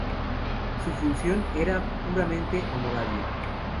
Su función era puramente honoraria.